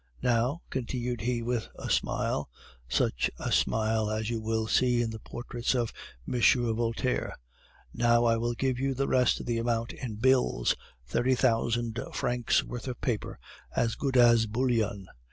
"'Now,' continued he with a smile, such a smile as you will see in portraits of M. Voltaire, 'now I will give you the rest of the amount in bills, thirty thousand francs' worth of paper as good as bullion.